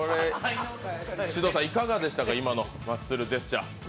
いかがでしたか、今のマッスルジェスチャー。